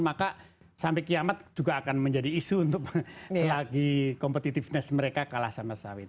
maka sampai kiamat juga akan menjadi isu untuk selagi competitiveness mereka kalah sama sawit